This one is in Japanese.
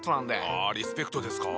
あリスペクトですか。